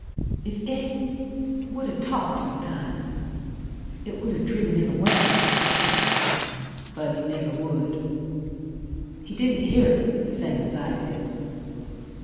Ef Ed would ha' talked sometimes It would ha' driven it away; But he never would. He didn't hear it same as I did.